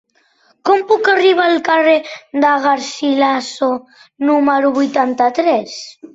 Com puc arribar al carrer de Garcilaso número vuitanta-tres?